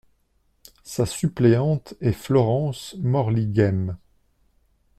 Sa suppléante est Florence Morlighem.